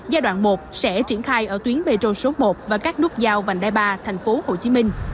giai đoạn một sẽ triển khai ở tuyến metro số một và các nút giao vành đai ba thành phố hồ chí minh